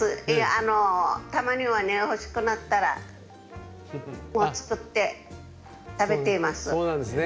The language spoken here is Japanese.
たまには欲しくなったら作って、食べています。